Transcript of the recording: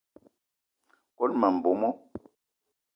Kone ma mbomo.